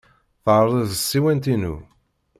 Terreẓ tsiwant-inu.